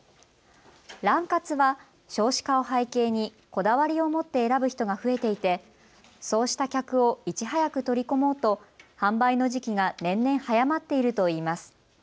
ラン活は少子化を背景にこだわりを持って選ぶ人が増えていて、そうした客をいち早く取り込もうと販売の時期が年々早まっているといいます。